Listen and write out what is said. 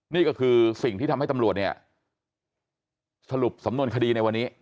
นี่ก็คือสิ่งที่ทำให้ตำรวจเนี่ยสรุปสำนวนคดีในวันนี้